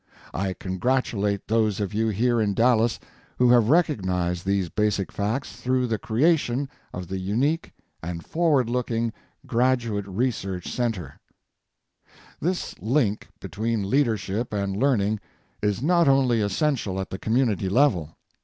I congratulate those of you here in Dallas who have recognized these basic facts through the creation of the unique and forward looking Graduate Research Center. This link between leadership and learning is not only essential at the community level.